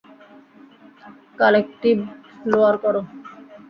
Collective lower করো।